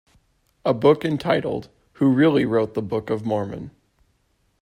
A book entitled Who Really Wrote the Book of Mormon?